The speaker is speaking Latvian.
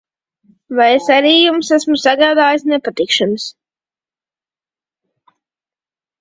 Vai es arī jums esmu sagādājis nepatikšanas?